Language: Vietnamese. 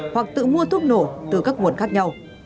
hoặc tự mua thuốc nổ từ các nguồn khác nhau